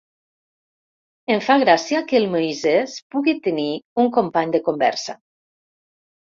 Em fa gràcia que el Moisès pugui tenir un company de conversa.